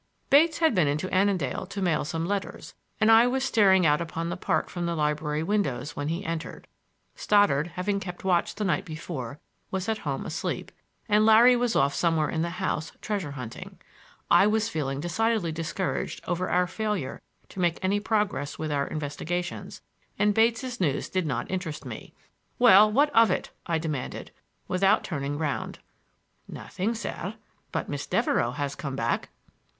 Bates had been into Annandale to mail some letters, and I was staring out upon the park from the library windows when he entered. Stoddard, having kept watch the night before, was at home asleep, and Larry was off somewhere in the house, treasure hunting. I was feeling decidedly discouraged over our failure to make any progress with our investigations, and Bates' news did not interest me. "Well, what of it?" I demanded, without turning round. "Nothing, sir; but Miss Devereux has come back!"